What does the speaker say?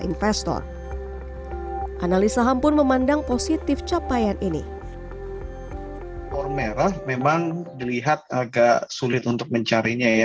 investor analisa hampun memandang positif capaian ini memang dilihat agak sulit untuk mencarinya ya